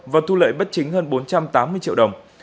và thu lợi bất chính hơn bốn trăm tám mươi triệu đồng